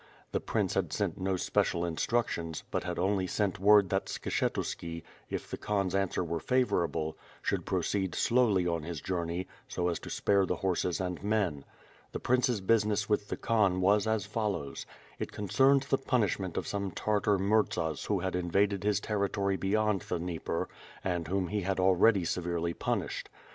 The Prince had sent no special instructions, but had only sent word that Skshetuski, if the Khan's answer were favor able, should proceed slowly on his journey, so as to spare the horses and men. The Prince's business with the Khan was as follows: It concerned the punishment of some Tartar Murzaswhohad invaded his territory beyond the Dnieper, and whom he had already severely punished.